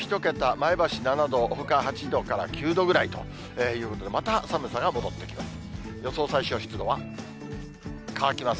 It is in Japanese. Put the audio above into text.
前橋７度、ほか８度から９度ぐらいということで、また寒さが戻ってきます。